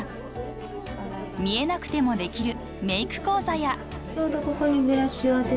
［見えなくてもできるメーク講座や］